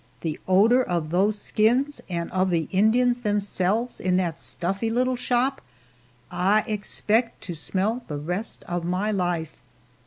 The odor of those skins, and of the Indians themselves, in that stuffy little shop, I expect to smell the rest of my life!